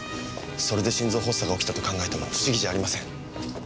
それで心臓発作が起きたと考えても不思議じゃありません。